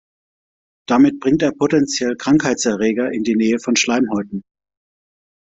Damit bringt er potenziell Krankheitserreger in die Nähe von Schleimhäuten.